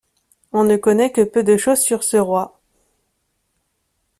On ne connaît que peu de choses sur ce roi.